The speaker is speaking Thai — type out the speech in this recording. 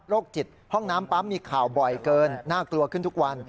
จิตห้องน้ำปั๊มมีข่าวบ่อยเกินน่ากลัวขึ้นทุกวัน